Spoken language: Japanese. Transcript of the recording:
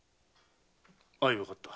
相わかった。